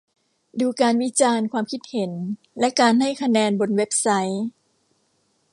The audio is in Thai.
ดูการวิจารณ์ ความคิดเห็น และการให้คะแนนบนเว็บไซต์